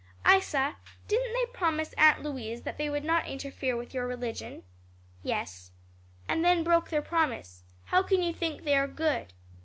"Isa, didn't they promise Aunt Louise that they would not interfere with your religion?" "Yes." "And then broke their promise. How can you think they are good?"